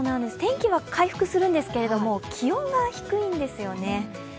天気は回復するんですけれども、気温が低いんですよね。